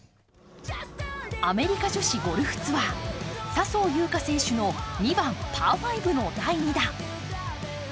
アメリカ女子ゴルフツアー笹生優花選手の２番パー５の第２打。